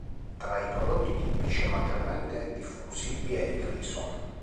Tra i prodotti tipici e maggiormente diffusi vi è il riso.